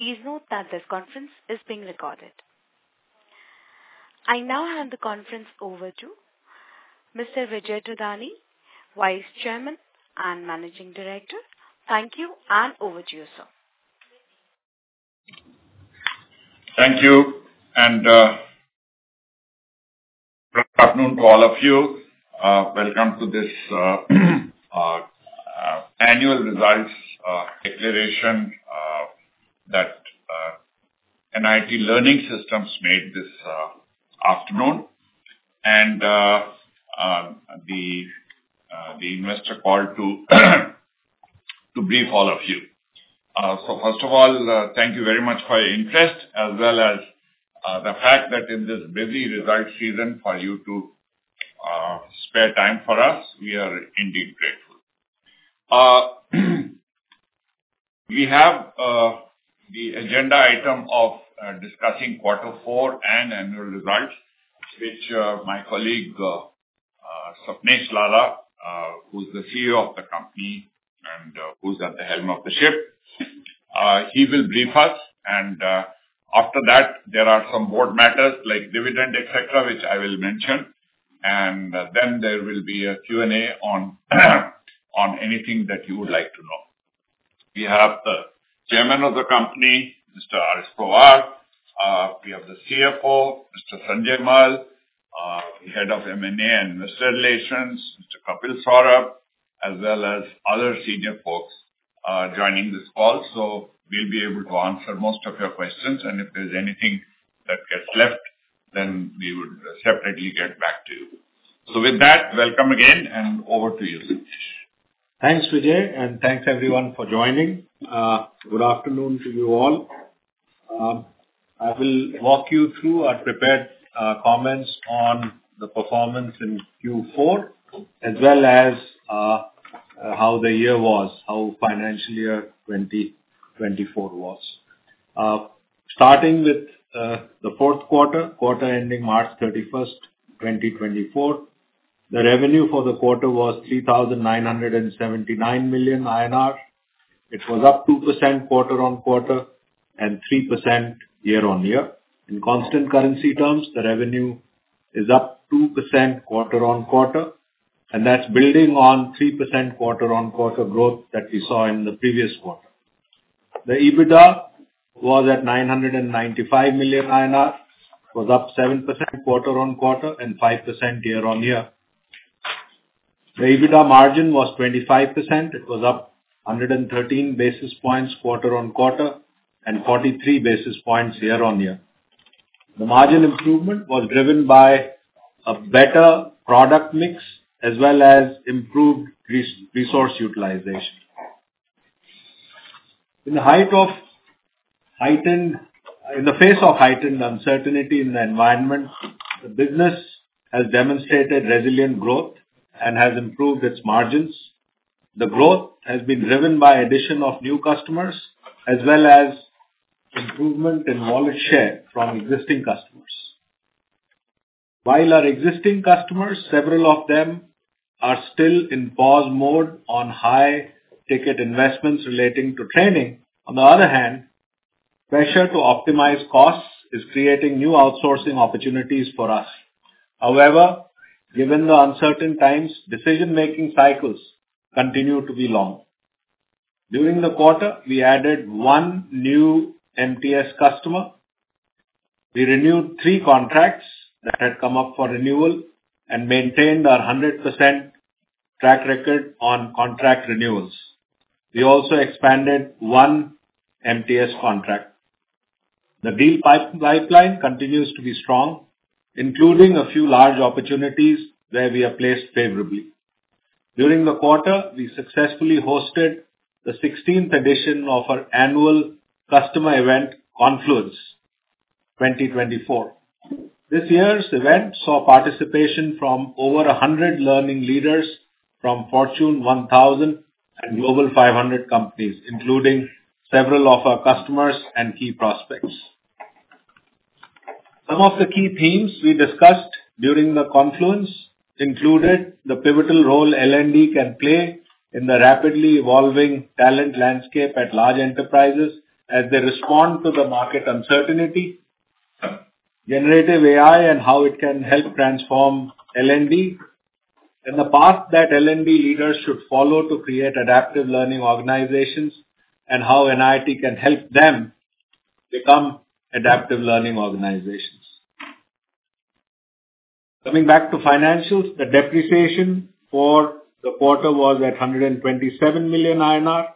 Please note that this conference is being recorded. I now hand the conference over to Mr. Vijay Thadani, Vice Chairman and Managing Director. Thank you, and over to you, sir. Thank you, and good afternoon to all of you. Welcome to this annual results declaration that NIIT Learning Systems made this afternoon, and the investor call to brief all of you. So first of all, thank you very much for your interest, as well as the fact that in this busy result season for you to spare time for us, we are indeed grateful. We have the agenda item of discussing quarter four and annual results, which my colleague Sapnesh Lalla, who's the CEO of the company and who's at the helm of the ship. He will brief us, and after that, there are some board matters like dividend, et cetera, which I will mention, and then there will be a Q&A on anything that you would like to know. We have the Chairman of the company, Mr. Rajendra Singh Pawar. We have the CFO, Mr. Sanjay Mal, the Head of M&A and Investor Relations, Mr. Kapil Saurabh, as well as other senior folks joining this call. So we'll be able to answer most of your questions, and if there's anything that gets left, then we would separately get back to you. So with that, welcome again, and over to you, Sapnesh Lalla. Thanks, Vijay, and thanks, everyone, for joining. Good afternoon to you all. I will walk you through our prepared comments on the performance in Q4, as well as how the year was, how financial year 2024 was. Starting with the fourth quarter, quarter ending March 31st, 2024. The revenue for the quarter was 3,979 million INR. It was up 2% quarter-on-quarter and 3% year-on-year. In constant currency terms, the revenue is up 2% quarter-on-quarter, and that's building on 3% quarter-on-quarter growth that we saw in the previous quarter. The EBITDA was at 995 million INR, was up 7% quarter-on-quarter and 5% year-on-year. The EBITDA margin was 25%. It was up 113 basis points, quarter-on-quarter, and 43 basis points year-on-year. The margin improvement was driven by a better product mix as well as improved resource utilization. In the face of heightened uncertainty in the environment, the business has demonstrated resilient growth and has improved its margins. The growth has been driven by addition of new customers, as well as improvement in wallet share from existing customers. While our existing customers, several of them are still in pause mode on high-ticket investments relating to training, on the other hand, pressure to optimize costs is creating new outsourcing opportunities for us. However, given the uncertain times, decision-making cycles continue to be long. During the quarter, we added one new MTS customer. We renewed three contracts that had come up for renewal and maintained our 100% track record on contract renewals. We also expanded one MTS contract. The deal pipeline continues to be strong, including a few large opportunities where we are placed favorably. During the quarter, we successfully hosted the 16th edition of our annual customer event, Confluence 2024. This year's event saw participation from over 100 learning leaders from Fortune 1000 and Global 500 companies, including several of our customers and key prospects. Some of the key themes we discussed during the Confluence included the pivotal role L&D can play in the rapidly evolving talent landscape at large enterprises as they respond to the market uncertainty, generative AI and how it can help transform L&D, and the path that L&D leaders should follow to create adaptive learning organizations, and how NIIT can help them become adaptive learning organizations. Coming back to financials, the depreciation for the quarter was 127 million INR,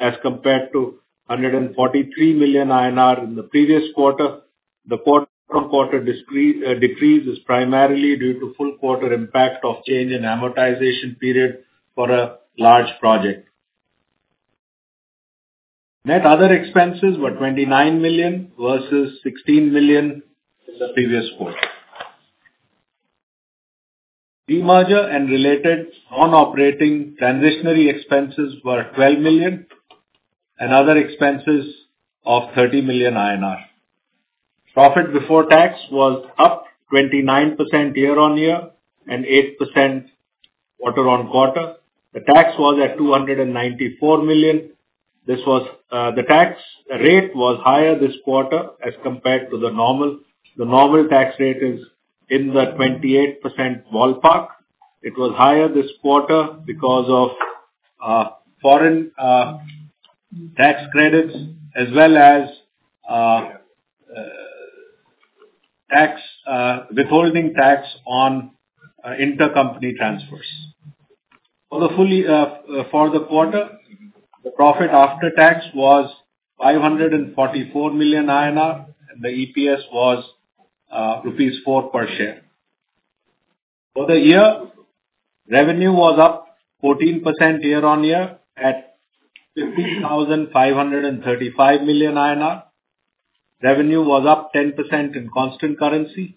as compared to 143 million INR in the previous quarter. The quarter-to-quarter decrease is primarily due to full quarter impact of change in amortization period for a large project. Net other expenses were 29 million versus 16 million in the previous quarter. Demerger and related non-operating transitionary expenses were 12 million, and other expenses of 30 million INR. Profit before tax was up 29% year-on-year and 8% quarter-on-quarter. The tax was at 294 million. This was, the tax rate was higher this quarter as compared to the normal. The normal tax rate is in the 28% ballpark. It was higher this quarter because of, foreign, tax credits, as well as, tax, withholding tax on, intercompany transfers. For the fully, for the quarter, the profit after tax was 544 million INR, and the EPS was, rupees 4 per share. For the year, revenue was up 14% year-on-year at 50,535 million INR. Revenue was up 10% in constant currency.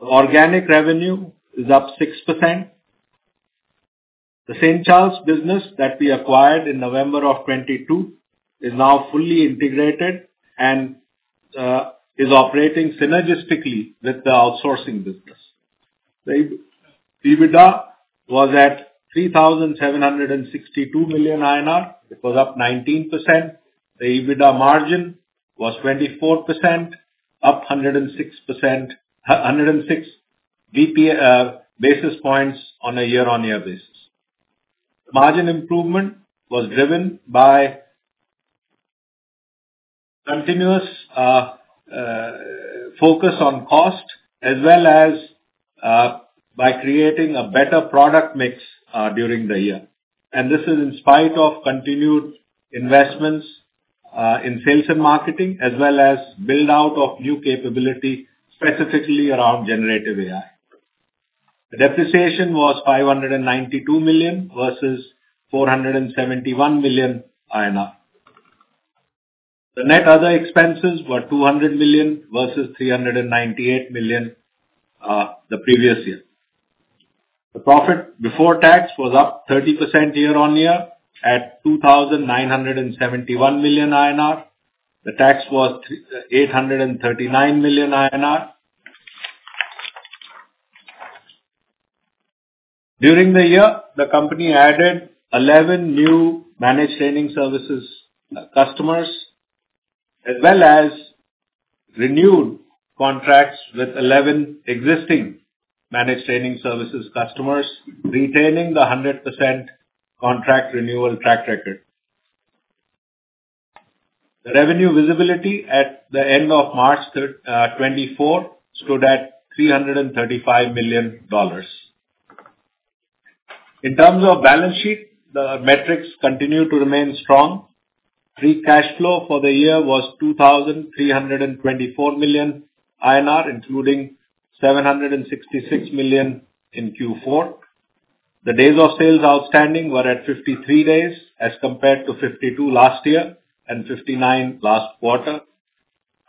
Organic revenue is up 6%. The St. Charles business that we acquired in November of 2022 is now fully integrated and is operating synergistically with the outsourcing business. The EBITDA was at 3,762 million INR. It was up 19%. The EBITDA margin was 24%, up 106 percent, 106 BP, basis points on a year-on-year basis. Margin improvement was driven by continuous focus on cost, as well as by creating a better product mix during the year. And this is in spite of continued investments in sales and marketing, as well as build-out of new capability, specifically around generative AI. The depreciation was 592 million versus 471 million INR. The net other expenses were 200 million versus 398 million, the previous year. The profit before tax was up 30% year-on-year at INR 2,971 million. The tax was eight hundred and thirty-nine million INR. During the year, the company added eleven new managed training services customers, as well as renewed contracts with eleven existing managed training services customers, retaining the 100% contract renewal track record. The revenue visibility at the end of March 2024 stood at $335 million. In terms of balance sheet, the metrics continue to remain strong. Free cash flow for the year was 2,324 million INR, including 766 million in Q4. The days of sales outstanding were at 53 days, as compared to 52 last year and 59 last quarter.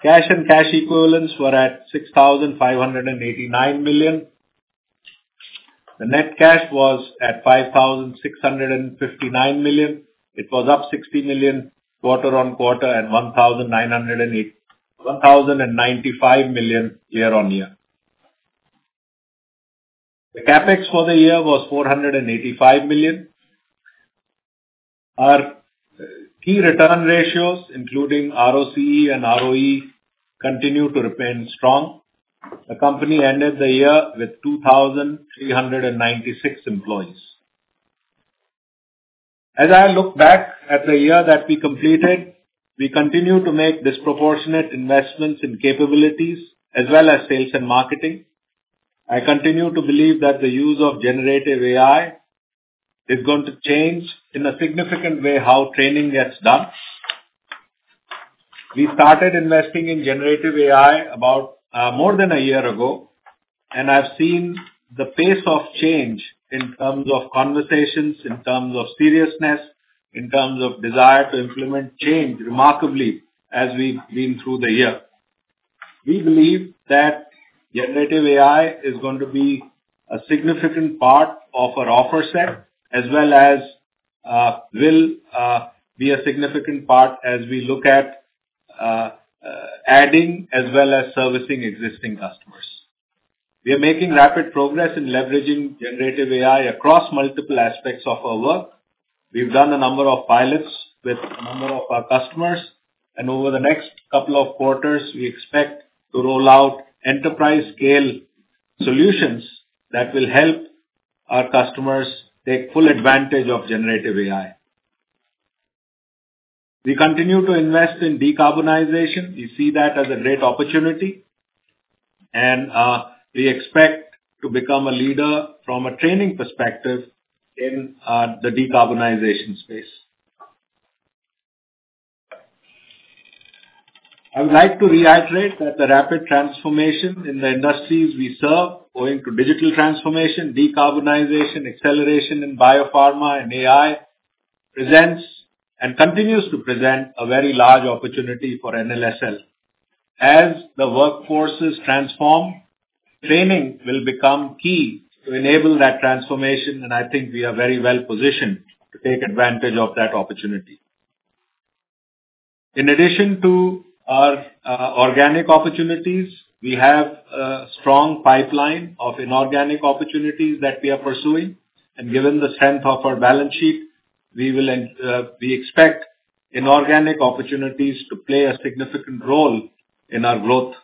Cash and cash equivalents were at 6,589 million. The net cash was at 5,659 million. It was up 60 million quarter-on-quarter and 1,095 million year-on-year. The CapEx for the year was 485 million. Our key return ratios, including ROCE and ROE, continue to remain strong. The company ended the year with 2,396 employees. As I look back at the year that we completed, we continue to make disproportionate investments in capabilities as well as sales and marketing. I continue to believe that the use of generative AI is going to change, in a significant way, how training gets done. We started investing in generative AI about, more than a year ago, and I've seen the pace of change in terms of conversations, in terms of seriousness, in terms of desire to implement change, remarkably, as we've been through the year. We believe that generative AI is going to be a significant part of our offer set, as well as, will, be a significant part as we look at, adding as well as servicing existing customers. We are making rapid progress in leveraging generative AI across multiple aspects of our work. We've done a number of pilots with a number of our customers, and over the next couple of quarters, we expect to roll out enterprise-scale solutions that will help our customers take full advantage of generative AI. We continue to invest in decarbonization. We see that as a great opportunity, and we expect to become a leader from a training perspective in the decarbonization space. I would like to reiterate that the rapid transformation in the industries we serve, owing to digital transformation, decarbonization, acceleration in biopharma and AI, presents and continues to present a very large opportunity for NLSL. As the workforces transform, training will become key to enable that transformation, and I think we are very well positioned to take advantage of that opportunity. In addition to our organic opportunities, we have a strong pipeline of inorganic opportunities that we are pursuing, and given the strength of our balance sheet, we expect inorganic opportunities to play a significant role in our growth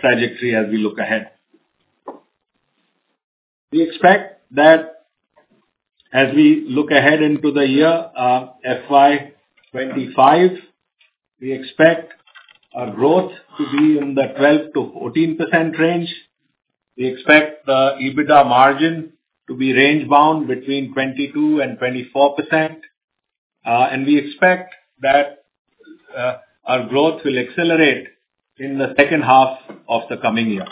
trajectory as we look ahead. We expect that as we look ahead into the year, FY 2025, we expect our growth to be in the 12%-14% range. We expect the EBITDA margin to be range-bound between 22% and 24%. And we expect that our growth will accelerate in the second half of the coming year.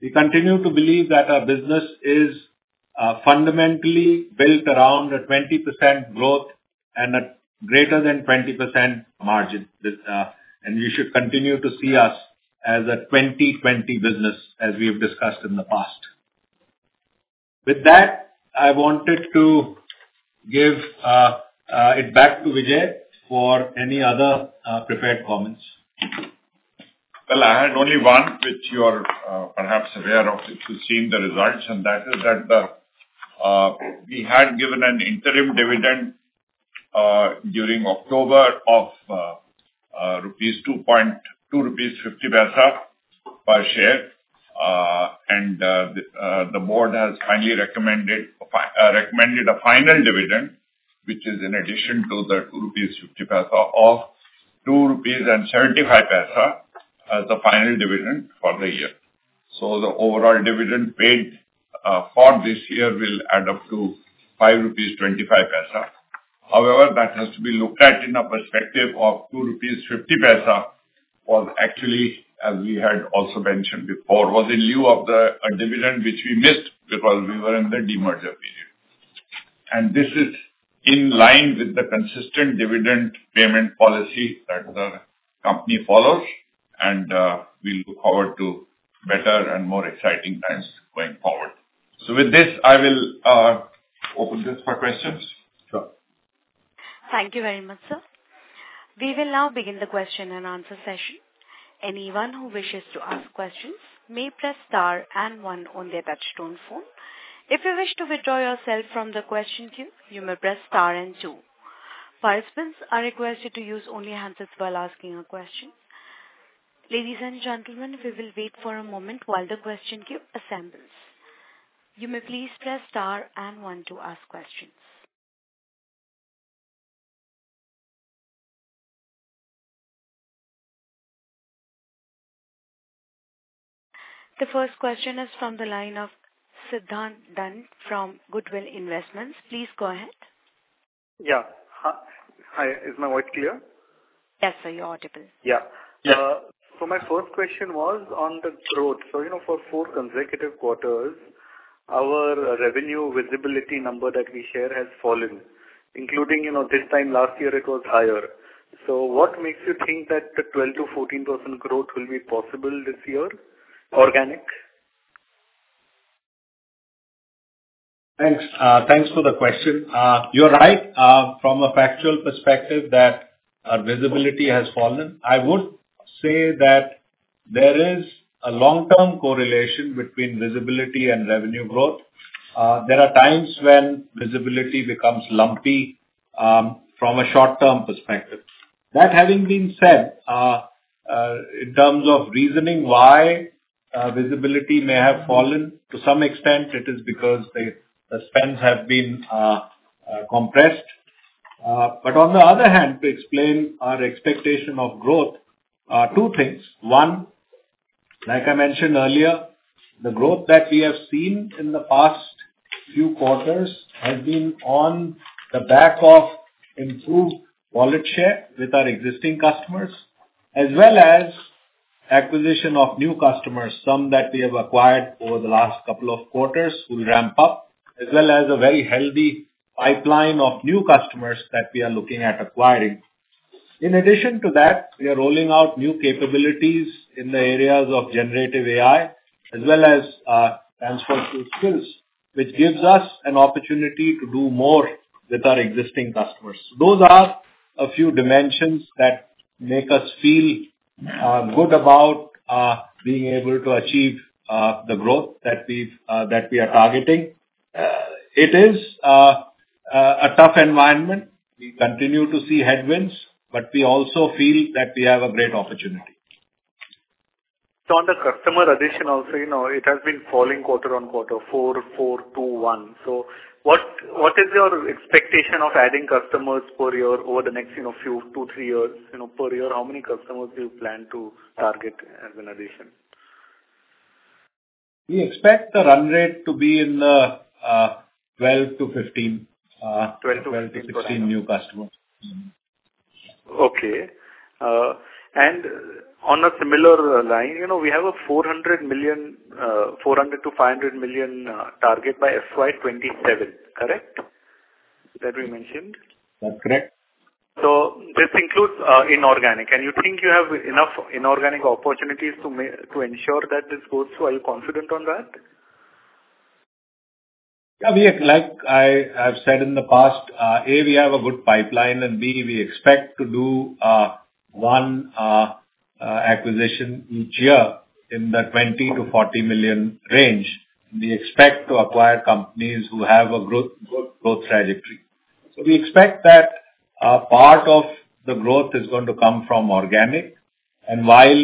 We continue to believe that our business is fundamentally built around a 20% growth and a greater than 20% margin. And you should continue to see us as a 20/20 business, as we have discussed in the past. With that, I wanted to give it back to Vijay for any other prepared comments. Well, I had only one, which you are, perhaps aware of if you've seen the results, and that is that we had given an interim dividend during October of 2.50 rupees per share. The board has finally recommended a final dividend, which is in addition to the 0.50, of 2.75 rupees as the final dividend for the year. The overall dividend paid for this year will add up to 5.25 rupees. However, that has to be looked at in a perspective of 2.50 rupees was actually, as we had also mentioned before, in lieu of a dividend which we missed because we were in the demerger period. This is in line with the consistent dividend payment policy that the company follows, and we look forward to better and more exciting times going forward. With this, I will open this for questions. Sure. Thank you very much, sir. We will now begin the question and answer session. Anyone who wishes to ask questions may press star and one on their touchtone phone. If you wish to withdraw yourself from the question queue, you may press star and two. Participants are requested to use only hands while asking a question. Ladies and gentlemen, we will wait for a moment while the question queue assembles. You may please press star and one to ask questions. The first question is from the line of Siddhant Dand from Goodwill Investments. Please go ahead. Yeah. Hi, is my voice clear? Yes, sir, you're audible. Yeah. My first question was on the growth. So, you know, for four consecutive quarters, our revenue visibility number that we share has fallen, including, you know, this time last year it was higher. So what makes you think that the 12%-14% growth will be possible this year, organic? Thanks, thanks for the question. You're right, from a factual perspective, that our visibility has fallen. I would say that there is a long-term correlation between visibility and revenue growth. There are times when visibility becomes lumpy, from a short-term perspective. That having been said, in terms of reasoning why visibility may have fallen, to some extent it is because the spends have been compressed. But on the other hand, to explain our expectation of growth, two things: One, like I mentioned earlier, the growth that we have seen in the past few quarters has been on the back of improved wallet share with our existing customers, as well as acquisition of new customers. Some that we have acquired over the last couple of quarters will ramp up, as well as a very healthy pipeline of new customers that we are looking at acquiring. In addition to that, we are rolling out new capabilities in the areas of generative AI, as well as, transfer to skills, which gives us an opportunity to do more with our existing customers. Those are a few dimensions that make us feel good about being able to achieve the growth that we are targeting. It is a tough environment. We continue to see headwinds, but we also feel that we have a great opportunity. So, on the customer addition also, you know, it has been falling quarter-on-quarter, four, four, two, one. So what, what is your expectation of adding customers per year over the next, you know, few, two, three years? You know, per year, how many customers do you plan to target as an addition? We expect the run rate to be in the 12-15, 12-15. 12-15 new customers. Okay. And on a similar line, you know, we have a $400 million, $400 million-$500 million target by FY 2027, correct?... that we mentioned? That's correct. So this includes inorganic. And you think you have enough inorganic opportunities to ensure that this goes through? Are you confident on that? Yeah, we are. Like I have said in the past, A, we have a good pipeline, and B, we expect to do one acquisition each year in the 20 million- 40 million range. We expect to acquire companies who have a growth, good growth trajectory. So we expect that a part of the growth is going to come from organic. And while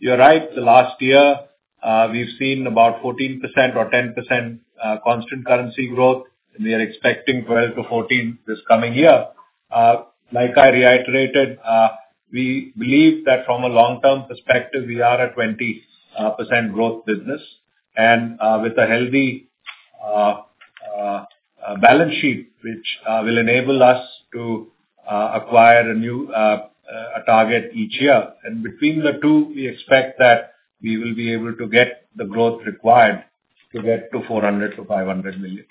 you're right, the last year, we've seen about 14% or 10% constant currency growth, and we are expecting 12%-14% this coming year. Like I reiterated, we believe that from a long-term perspective, we are a 20% growth business, and with a healthy balance sheet, which will enable us to acquire a new target each year. Between the two, we expect that we will be able to get the growth required to get to $400 million-$500 million.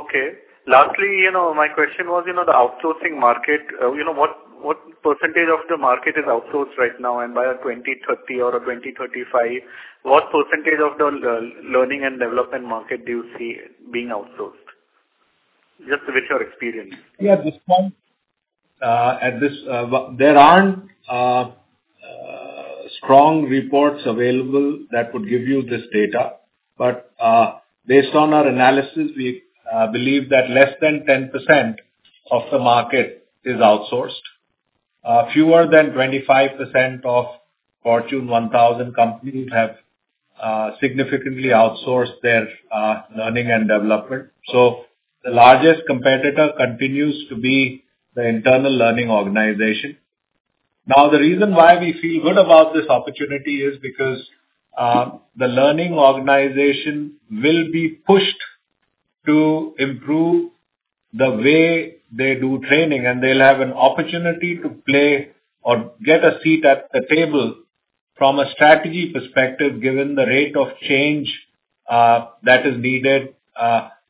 Okay. Lastly, you know, my question was, you know, the outsourcing market, you know, what, what percentage of the market is outsourced right now? And by 2030 or 2035, what percentage of the learning and development market do you see being outsourced, just with your experience? Yeah. At this point, there aren't strong reports available that would give you this data. But based on our analysis, we believe that less than 10% of the market is outsourced. Fewer than 25% of Fortune 1000 companies have significantly outsourced their learning and development. So the largest competitor continues to be the internal learning organization. Now, the reason why we feel good about this opportunity is because the learning organization will be pushed to improve the way they do training, and they'll have an opportunity to play or get a seat at the table from a strategy perspective, given the rate of change that is needed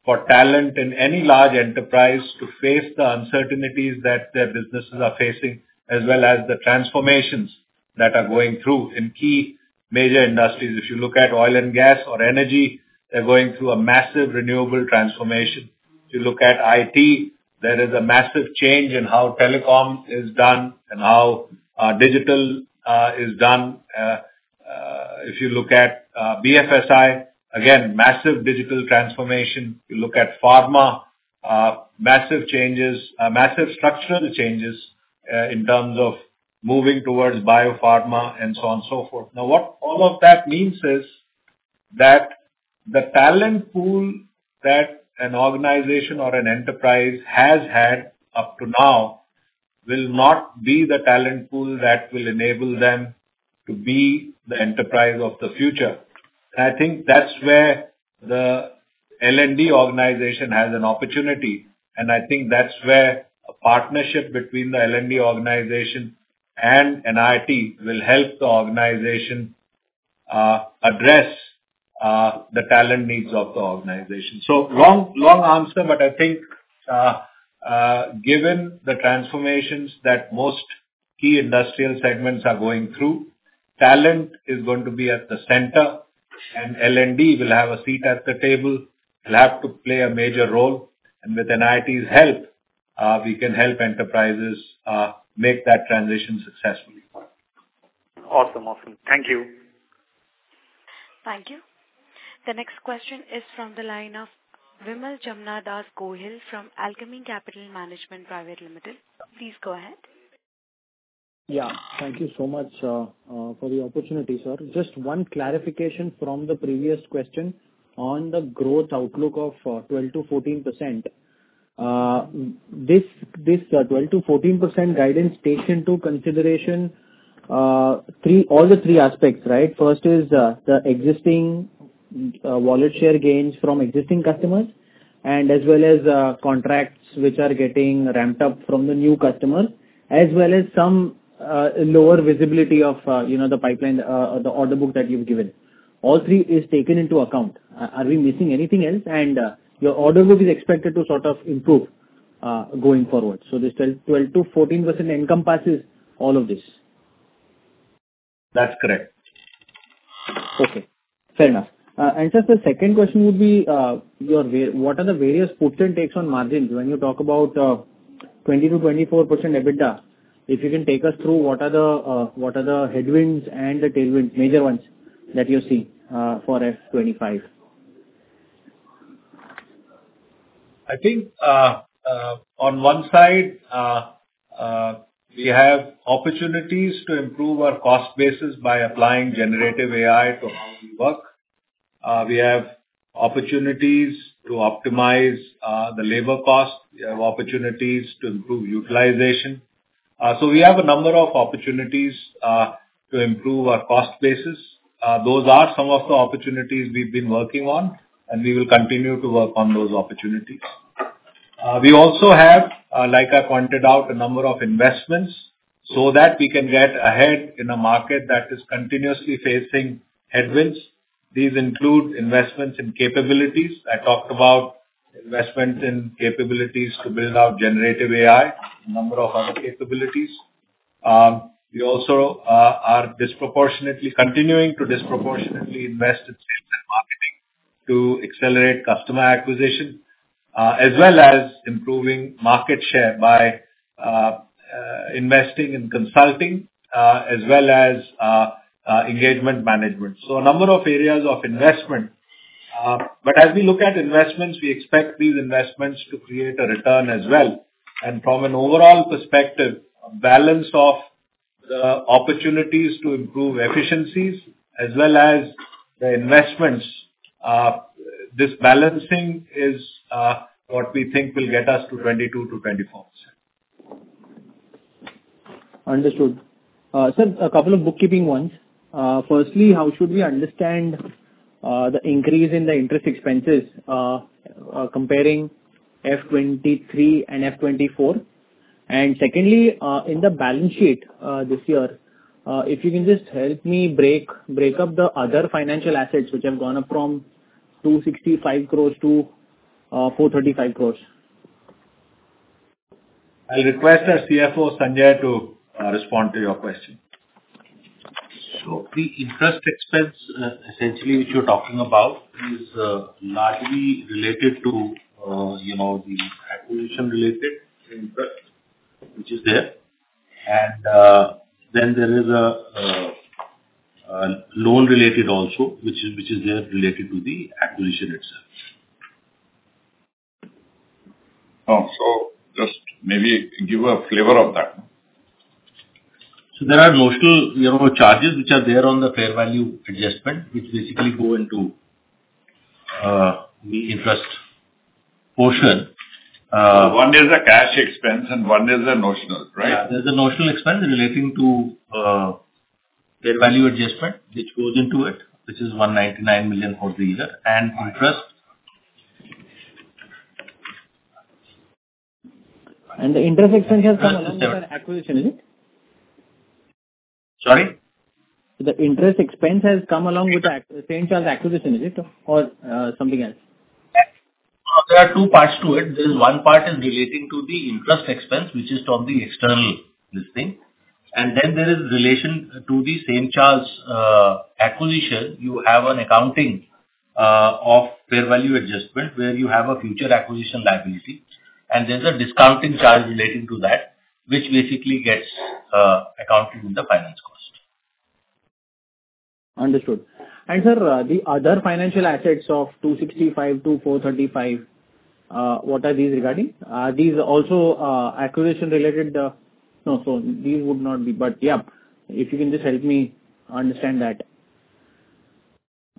for talent in any large enterprise to face the uncertainties that their businesses are facing, as well as the transformations that are going through in key major industries. If you look at oil and gas or energy, they're going through a massive renewable transformation. If you look at IT, there is a massive change in how telecom is done and how digital is done. If you look at BFSI, again, massive digital transformation. You look at pharma, massive changes, massive structural changes, in terms of moving towards biopharma and so on and so forth. Now, what all of that means is that the talent pool that an organization or an enterprise has had up to now will not be the talent pool that will enable them to be the enterprise of the future. I think that's where the L&D organization has an opportunity, and I think that's where a partnership between the L&D organization and an IT will help the organization, address, the talent needs of the organization. So long, long answer, but I think, given the transformations that most key industrial segments are going through, talent is going to be at the center, and L&D will have a seat at the table. It'll have to play a major role, and with NIIT's help, we can help enterprises make that transition successfully. Awesome, awesome. Thank you. Thank you. The next question is from the line of Vimal Jamnadas Gohil from Alchemy Capital Management Private Limited. Please go ahead. Yeah, thank you so much for the opportunity, sir. Just one clarification from the previous question on the growth outlook of 12%-14%. This 12%-14% guidance takes into consideration three... all the three aspects, right? First is the existing wallet share gains from existing customers and as well as contracts which are getting ramped up from the new customers, as well as some lower visibility of, you know, the pipeline, the order book that you've given. All three is taken into account. Are we missing anything else? And your order book is expected to sort of improve going forward. So this 12%-14% encompasses all of this. That's correct. Okay, fair enough. Just the second question would be, what are the various puts and takes on margins when you talk about 20%-24% EBITDA? If you can take us through what are the headwinds and the tailwinds, major ones, that you see for F 2025. I think, on one side, we have opportunities to improve our cost basis by applying Generative AI to how we work. We have opportunities to optimize the labor cost. We have opportunities to improve utilization. So we have a number of opportunities to improve our cost basis. Those are some of the opportunities we've been working on, and we will continue to work on those opportunities. We also have, like I pointed out, a number of investments so that we can get ahead in a market that is continuously facing headwinds. These include investments in capabilities. I talked about investments in capabilities to build out Generative AI, a number of other capabilities. We also are disproportionately continuing to disproportionately invest in sales and marketing to accelerate customer acquisition, as well as improving market share by investing in consulting, as well as engagement management. So a number of areas of investment. But as we look at investments, we expect these investments to create a return as well. And from an overall perspective, a balance of opportunities to improve efficiencies as well as the investments, this balancing is what we think will get us to 22%-24%. Understood. Sir, a couple of bookkeeping ones. Firstly, how should we understand the increase in the interest expenses comparing FY 2023 and FY 2024? And secondly, in the balance sheet this year, if you can just help me break up the other financial assets, which have gone up from 265 crore to 435 crore. I'll request our CFO, Sanjay, to respond to your question. So the interest expense, essentially, which you're talking about is, largely related to, you know, the acquisition-related interest, which is there. And, then there is a loan related also, which is, which is there related to the acquisition itself. So just maybe give a flavor of that. So there are notional, you know, charges which are there on the fair value adjustment, which basically go into the interest portion. One is a cash expense and one is a notional, right? Yeah. There's a notional expense relating to fair value adjustment, which goes into it, which is 199 million for the year. And interest. The interest expense has come along with our acquisition, is it? Sorry? The interest expense has come along with the St. Charles acquisition, is it, or something else? There are two parts to it. There's one part is relating to the interest expense, which is from the external listing. And then there is relation to the St. Charles acquisition. You have an accounting of fair value adjustment, where you have a future acquisition liability, and there's a discounting charge relating to that, which basically gets accounted in the finance cost. Understood. Sir, the other financial assets of 265-435, what are these regarding? Are these also acquisition-related? No. So these would not be, but yeah, if you can just help me understand that,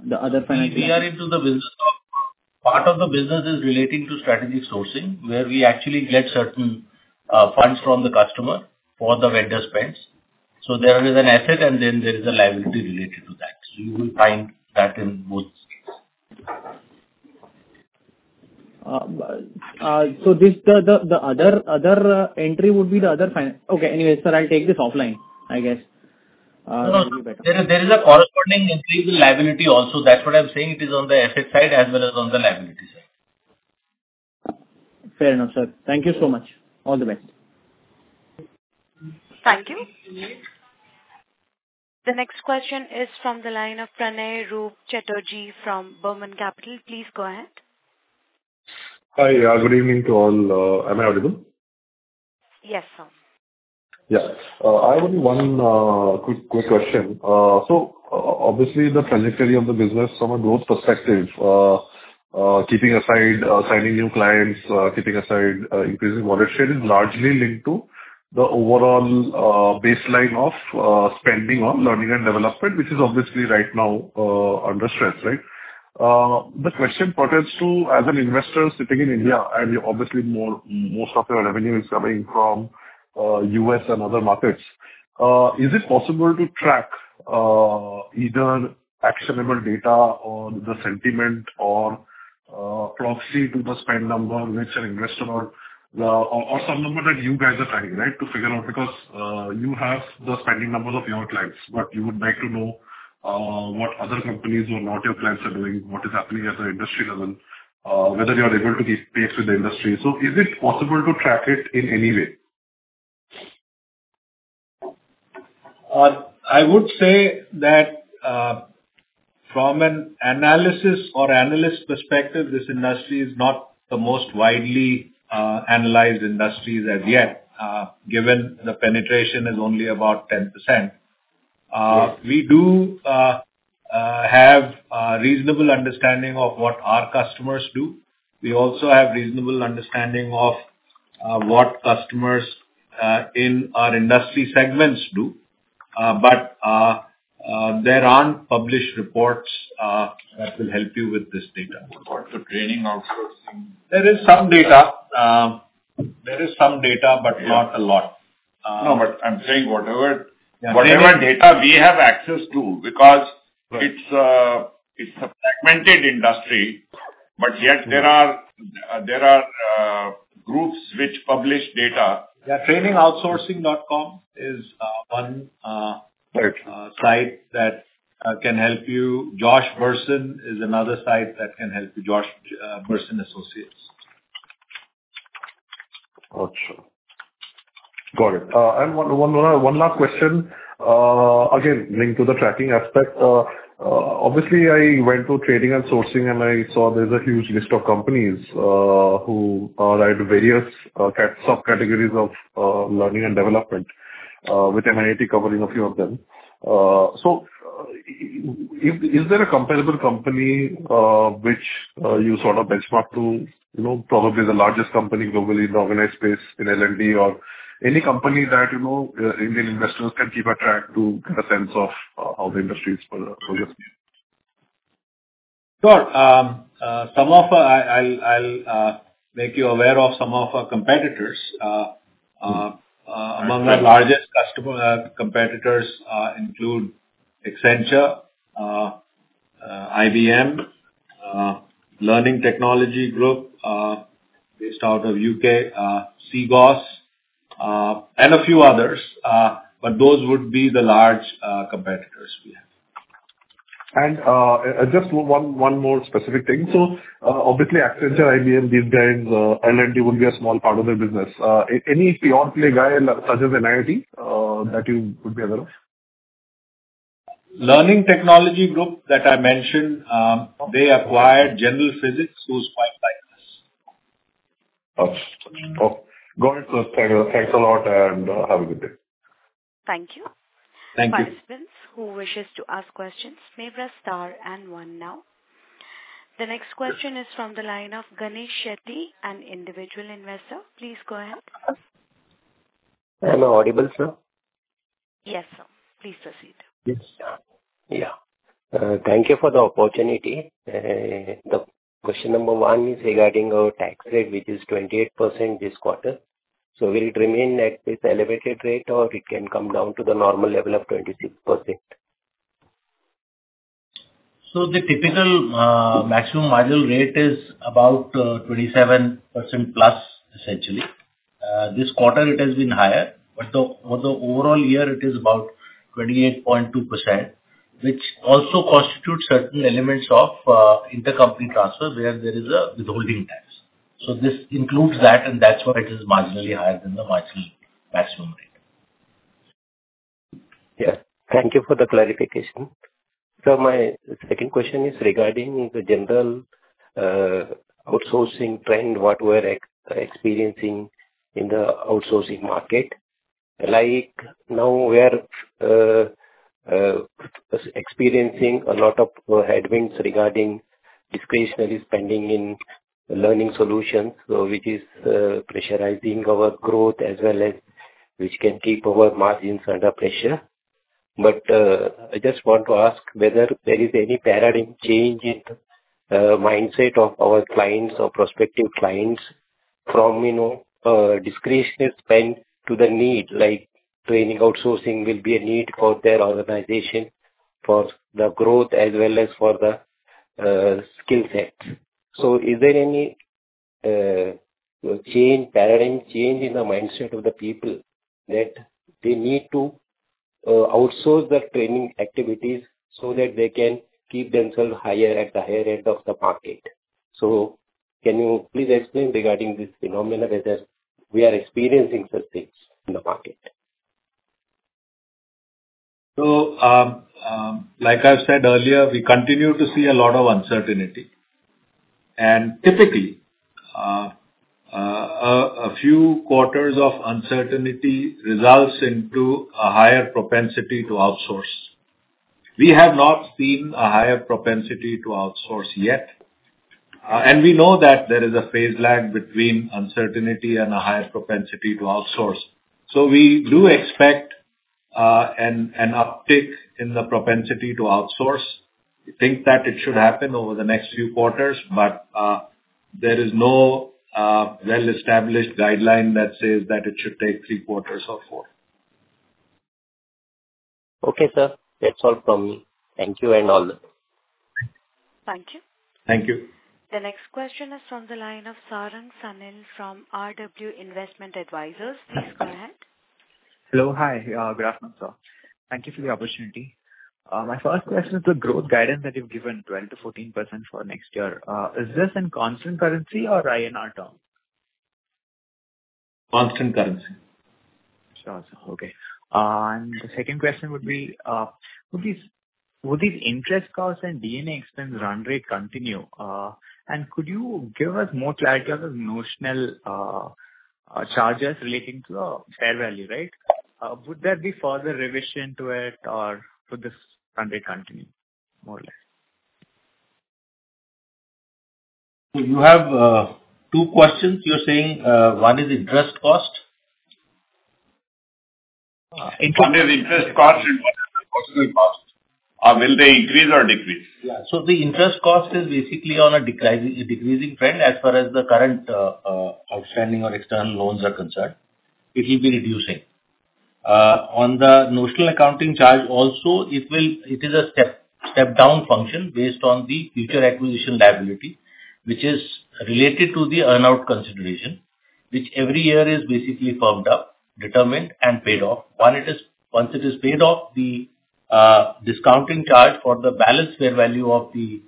the other financial- We are into the business. Part of the business is relating to strategic sourcing, where we actually get certain funds from the customer for the vendor spends. So there is an asset and then there is a liability related to that. So you will find that in both cases. So this, the other entry would be the other finance. Okay, anyway, sir, I'll take this offline, I guess, would be better. No, no. There is, there is a corresponding increase in liability also. That's what I'm saying. It is on the asset side as well as on the liability side. Fair enough, sir. Thank you so much. All the best. Thank you. The next question is from the line of Pranay Roop Chatterjee from Burman Capital. Please go ahead. Hi, good evening to all. Am I audible? Yes, sir. Yeah. I have only one quick question. So obviously, the trajectory of the business from a growth perspective, keeping aside signing new clients, keeping aside increasing market share, is largely linked to the overall baseline of spending on learning and development, which is obviously right now under stress, right? The question pertains to, as an investor sitting in India, and obviously most of your revenue is coming from U.S. and other markets, is it possible to track either actionable data or the sentiment or proxy to the spend number, which are invested on the... or some number that you guys are trying, right, to figure out? Because, you have the spending numbers of your clients, but you would like to know, what other companies or not your clients are doing, what is happening at the industry level, whether you are able to keep pace with the industry. So is it possible to track it in any way? I would say that, from an analysis or analyst perspective, this industry is not the most widely analyzed industry as yet, given the penetration is only about 10%. Right. We do have a reasonable understanding of what our customers do. We also have reasonable understanding of what customers in our industry segments do. But there aren't published reports that will help you with this data. Report for training outsourcing. There is some data. There is some data, but not a lot. No, but I'm saying whatever- Yeah. whatever data we have access to, because Right. It's a fragmented industry, but yet there are, there are, groups which publish data. Yeah, TrainingOutsourcing.com is, one, Right. Site that can help you. Josh Bersin is another site that can help you, Josh Bersin Company. Gotcha. Got it. And one last question, again, linked to the tracking aspect. Obviously I went to Training Outsourcing, and I saw there's a huge list of companies who provide various subcategories of learning and development, with NIIT covering a few of them. So, is there a comparable company which you sort of benchmark to? You know, probably the largest company globally in the organized space in L&D or any company that, you know, Indian investors can keep a track to get a sense of how the industry is for your view. Sure. Some of our—I'll make you aware of some of our competitors. Right. Among the largest competitors include Accenture, IBM, Learning Technologies Group based out of U.K., Cegos, and a few others, but those would be the large competitors we have. Just one more specific thing. So, obviously, Accenture, IBM, these brands, L&D would be a small part of their business. Any pure-play guy such as NIIT that you would be aware of? Learning Technologies Group that I mentioned, they acquired General Physics, who is quite like us. Got you. Oh, got it. So thanks, thanks a lot and, have a good day. Thank you. Thank you. Participants who wish to ask questions may press star and one now. The next question is from the line of Ganesh Shetty, an individual investor. Please go ahead. Am I audible, sir? Yes, sir. Please proceed. Yes. Yeah. Thank you for the opportunity. The question number one is regarding our tax rate, which is 28% this quarter. So will it remain at this elevated rate, or it can come down to the normal level of 26%? The typical maximum marginal rate is about 27% plus, essentially. This quarter it has been higher, but the overall year it is about 28.2%, which also constitutes certain elements of intercompany transfers, where there is a withholding tax. So this includes that, and that's why it is marginally higher than the marginal maximum rate. Yeah. Thank you for the clarification. So my second question is regarding the general outsourcing trend, what we're experiencing in the outsourcing market. Like now, we are experiencing a lot of headwinds regarding discretionary spending in learning solutions, which is pressurizing our growth as well as which can keep our margins under pressure. But I just want to ask whether there is any paradigm change in the mindset of our clients or prospective clients from, you know, discretionary spend to the need, like training outsourcing will be a need for their organization, for the growth as well as for the skill set. So is there any change, paradigm change in the mindset of the people, that they need to outsource their training activities so that they can keep themselves higher at the higher end of the market? Can you please explain regarding this phenomenon, whether we are experiencing such things in the market? So, like I said earlier, we continue to see a lot of uncertainty. Typically, a few quarters of uncertainty results into a higher propensity to outsource. We have not seen a higher propensity to outsource yet, and we know that there is a phase lag between uncertainty and a higher propensity to outsource. So we do expect an uptick in the propensity to outsource. We think that it should happen over the next few quarters, but there is no well-established guideline that says that it should take three quarters or four. Okay, sir. That's all from me. Thank you and all the best. Thank you. Thank you. The next question is from the line of Sarang Sanil from RW Investment Advisors. Please go ahead. Hello. Hi, good afternoon sir. Thank you for the opportunity. My first question is the growth guidance that you've given 12%-14% for next year, is this in constant currency or INR term? Constant currency. Sure, sir. Okay. And the second question would be, would these, would these interest costs and D&A expense run rate continue? And could you give us more clarity on the notional, charges relating to the fair value, right? Would there be further revision to it or would this run rate continue, more or less? So you have two questions you're saying, one is interest cost? Interest. One is interest cost and one is personal cost. Will they increase or decrease? Yeah. So the interest cost is basically on a decreasing trend as far as the current outstanding or external loans are concerned. It will be reducing. On the notional accounting charge also, it is a step down function based on the future acquisition liability, which is related to the earn-out consideration, which every year is basically firmed up, determined and paid off. Once it is paid off, the discounting charge for the balance fair value of the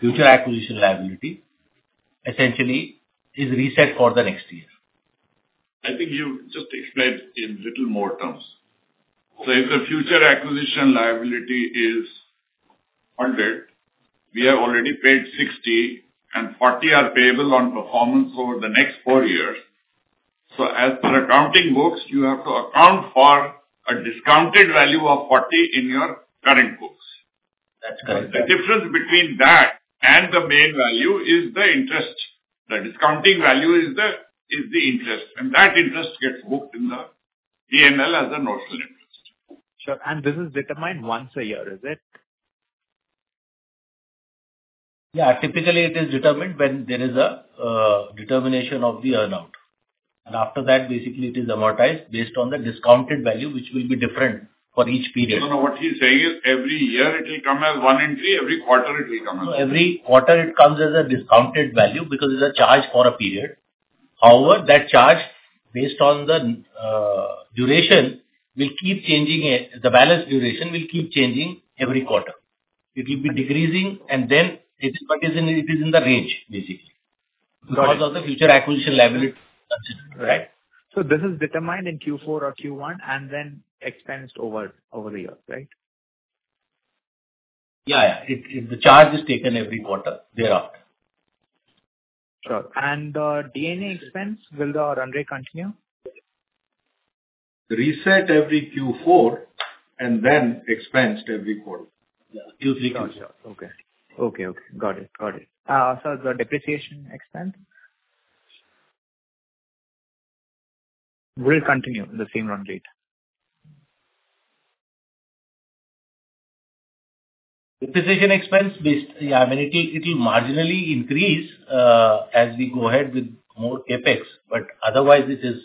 future acquisition liability essentially is reset for the next year. I think you just explained in little more terms. So if the future acquisition liability is INR 100, we have already paid 60, and 40 are payable on performance over the next four years. So as per accounting books, you have to account for a discounted value of 40 in your current books. The difference between that and the main value is the interest. The discounting value is the interest, and that interest gets booked in the P&L as a notional interest. Sure. And this is determined once a year, is it? Yeah. Typically, it is determined when there is a determination of the earn-out, and after that, basically it is amortized based on the discounted value, which will be different for each period. No, no, what he's saying is every year it will come as one entry, every quarter it will come as one. No, every quarter it comes as a discounted value because it's a charge for a period. However, that charge, based on the duration, will keep changing it. The balance duration will keep changing every quarter. It will be decreasing, and then it's partisan, it is in the range, basically. Got it. Because of the future acquisition liability considered, right. So this is determined in Q4 or Q1 and then expensed over a year, right? Yeah, yeah. It, the charge is taken every quarter thereafter. Sure. And, D&A expense, will the run rate continue? Reset every Q4 and then expensed every quarter. Yeah. Q3, Q4. Got you. Okay. Okay, okay. Got it. Got it. Sir, the depreciation expense? Will it continue the same run rate? Depreciation expense. Yeah, I mean, it'll marginally increase as we go ahead with more CapEx, but otherwise it is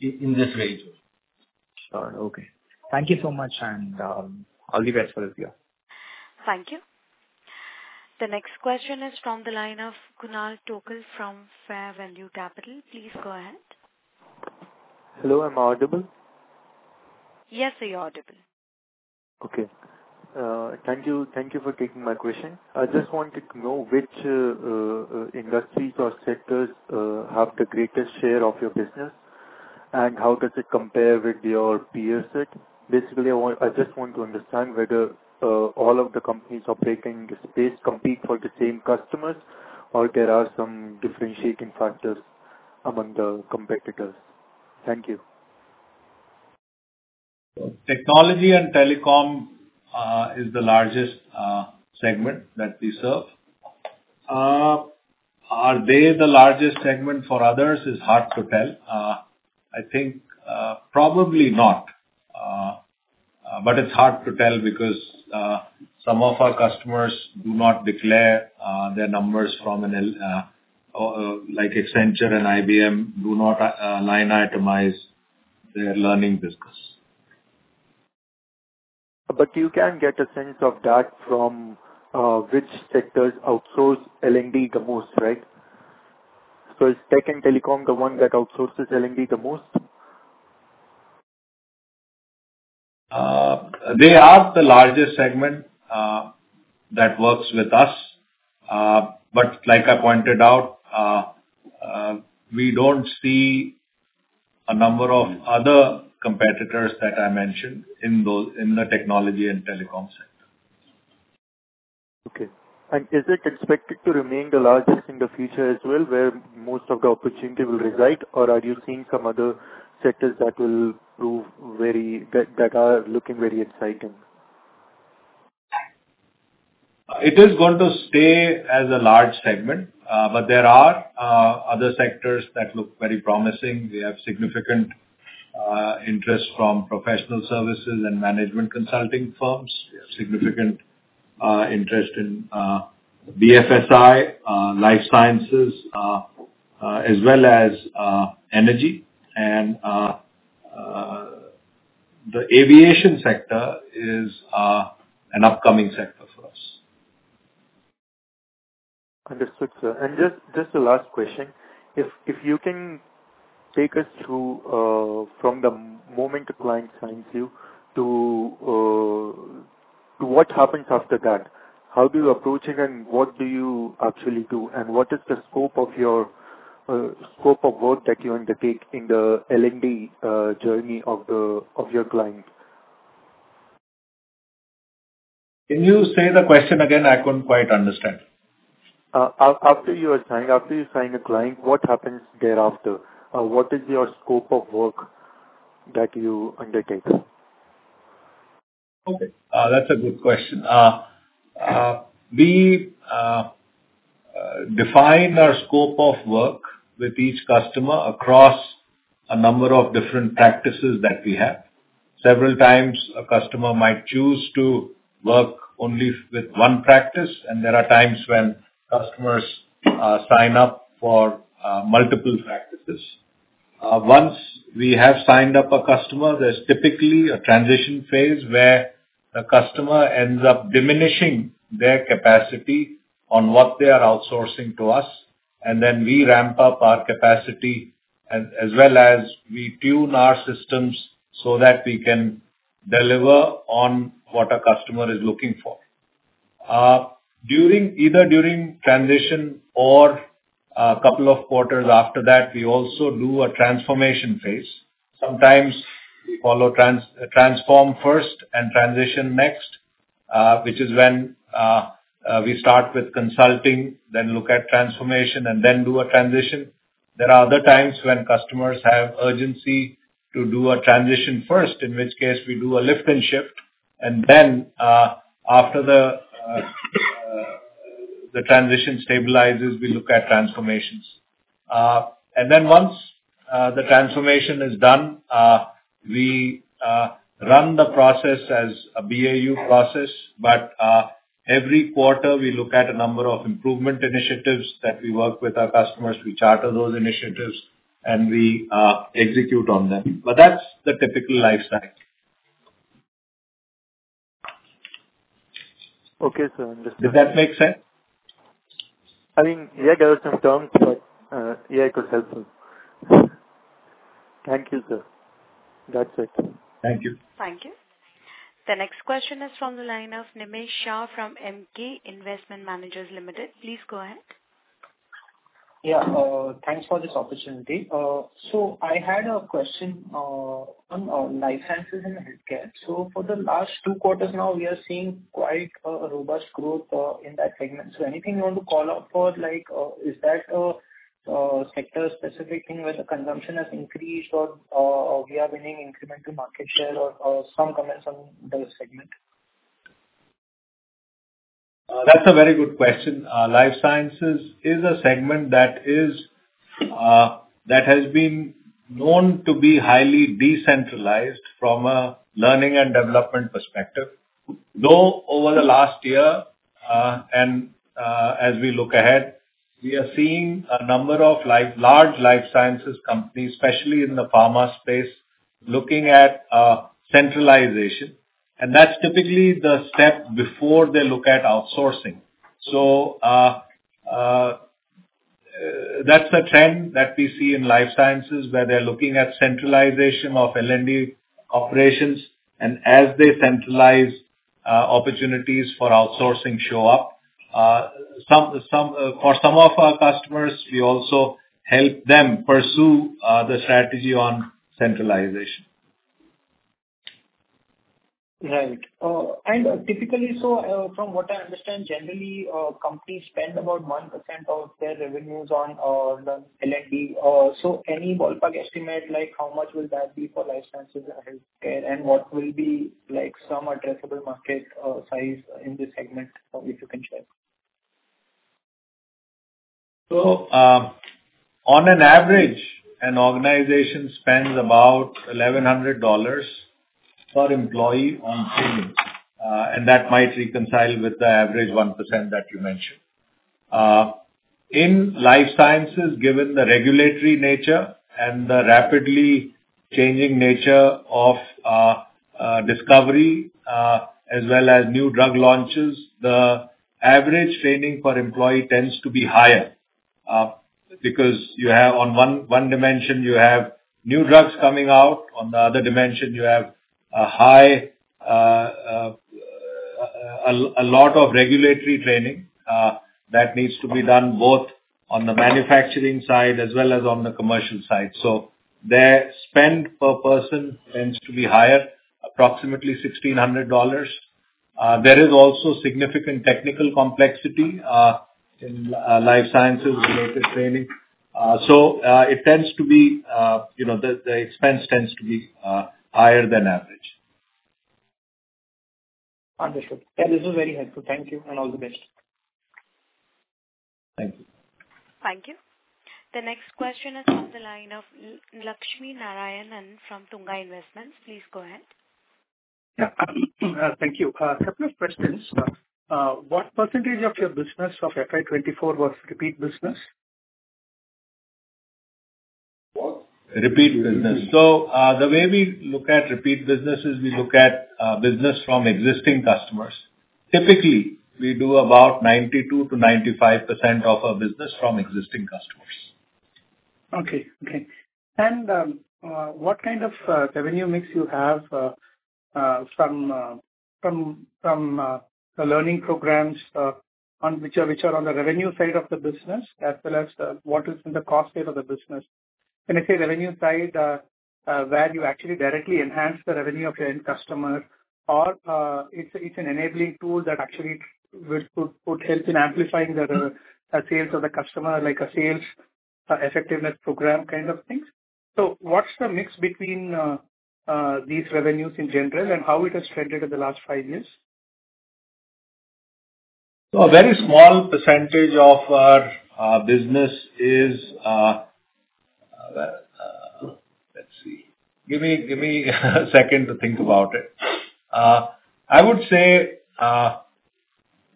in this range. Sure. Okay. Thank you so much, and all the best for the year. Thank you. The next question is from the line of Kunal Tokas from Fair Value Capital. Please go ahead. Hello, am I audible? Yes, sir, you're audible. Okay. Thank you. Thank you for taking my question. I just wanted to know which industries or sectors have the greatest share of your business, and how does it compare with your peer set? Basically, I want... I just want to understand whether all of the companies operating the space compete for the same customers, or there are some differentiating factors among the competitors. Thank you. Technology and telecom is the largest segment that we serve. Are they the largest segment for others? It's hard to tell. I think probably not but it's hard to tell because some of our customers do not declare their numbers from an like Accenture and IBM do not line itemize their learning business. You can get a sense of that from which sectors outsource L&D the most, right? Is tech and telecom the one that outsources L&D the most? They are the largest segment that works with us. But like I pointed out, we don't see a number of other competitors that I mentioned in those, in the technology and telecom sector. Okay. And is it expected to remain the largest in the future as well, where most of the opportunity will reside? Or are you seeing some other sectors that will prove very, that are looking very exciting? It is going to stay as a large segment, but there are other sectors that look very promising. We have significant interest from professional services and management consulting firms. Yeah. Significant interest in BFSI, life sciences, as well as energy. The aviation sector is an upcoming sector for us. Understood, sir. And just, just the last question, if, if you can take us through, from the moment a client signs you to, to what happens after that? How do you approach it, and what do you actually do, and what is the scope of your, scope of work that you undertake in the L&D, journey of the, of your client? Can you say the question again? I couldn't quite understand. After you sign a client, what happens thereafter? What is your scope of work that you undertake? Okay, that's a good question. We define our scope of work with each customer across a number of different practices that we have. Several times, a customer might choose to work only with one practice, and there are times when customers sign up for multiple practices. Once we have signed up a customer, there's typically a transition phase where a customer ends up diminishing their capacity on what they are outsourcing to us, and then we ramp up our capacity, as well as we tune our systems so that we can deliver on what a customer is looking for. During either the transition or a couple of quarters after that, we also do a transformation phase. Sometimes we follow transform first and transition next, which is when we start with consulting, then look at transformation, and then do a transition. There are other times when customers have urgency to do a transition first, in which case we do a lift and shift, and then after the transition stabilizes, we look at transformations. And then once the transformation is done, we run the process as a BAU process. But every quarter, we look at a number of improvement initiatives that we work with our customers. We charter those initiatives, and we execute on them. But that's the typical lifecycle. Okay, sir. Understood. Did that make sense? I mean, yeah, there are some terms, but, yeah, it could help me. Thank you, sir. That's it. Thank you. Thank you. The next question is from the line of Nemish Shah from Emkay Investment Managers Limited. Please go ahead. Yeah, thanks for this opportunity. So I had a question on life sciences and healthcare. So for the last two quarters now, we are seeing quite a robust growth in that segment. So anything you want to call out for like, is that a sector-specific thing where the consumption has increased or we are winning incremental market share or some comments on the segment? That's a very good question. Life sciences is a segment that is that has been known to be highly decentralized from a learning and development perspective, though over the last year and as we look ahead, we are seeing a number of large life sciences companies, especially in the pharma space, looking at centralization, and that's typically the step before they look at outsourcing. So, that's the trend that we see in life sciences, where they're looking at centralization of L&D operations. And as they centralize, opportunities for outsourcing show up. For some of our customers, we also help them pursue the strategy on centralization. Right. And typically, so, from what I understand, generally, companies spend about 1% of their revenues on the L&D. So any ballpark estimate, like, how much will that be for life sciences and healthcare, and what will be, like, some addressable market size in this segment, if you can share? So, on an average, an organization spends about $1,100 per employee on training, and that might reconcile with the average 1% that you mentioned. In life sciences, given the regulatory nature and the rapidly changing nature of discovery, as well as new drug launches, the average training per employee tends to be higher, because you have on one dimension, you have new drugs coming out, on the other dimension, you have a high, a lot of regulatory training that needs to be done both on the manufacturing side as well as on the commercial side. So their spend per person tends to be higher, approximately $1,600. There is also significant technical complexity in life sciences-related training. So, it tends to be, you know, the, the expense tends to be higher than average. Understood. Yeah, this is very helpful. Thank you, and all the best. Thank you. Thank you. The next question is on the line of Lakshminarayanan from Tunga Investments. Please go ahead. Yeah. Thank you. Couple of questions. What percentage of your business of FY 2024 was repeat business? What? Repeat business. So, the way we look at repeat business is, we look at, business from existing customers. Typically, we do about 92%-95% of our business from existing customers. Okay. Okay. And, what kind of revenue mix you have from the learning programs, which are on the revenue side of the business, as well as what is in the cost side of the business? When I say revenue side, where you actually directly enhance the revenue of your end customer or it's an enabling tool that actually will put helps in amplifying the sales of the customer, like a sales effectiveness program kind of thing. So what's the mix between these revenues in general, and how it has trended in the last five years? So a very small percentage of our business is, let's see. Give me a second to think about it. I would say